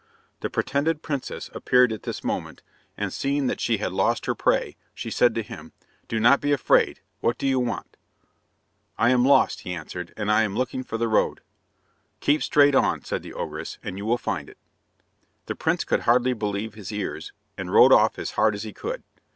The pretended princess appeared at this moment, and seeing that she had lost her prey, she said to him, "Do not be afraid. What do you want?" "I am lost," he answered, "and I am looking for the road." "Keep straight on," said the ogress, "and you will find it." The prince could hardly believe his ears, and rode off as hard as he could.